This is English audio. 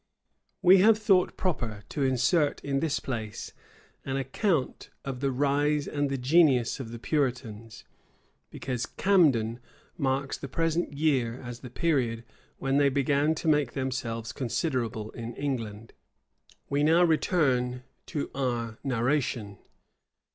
We have thought proper to insert in this place an account of the rise and the genius of the Puritans; because Camden marks the present year as the period when they began to make themselves considerable in England. We now return to our narration.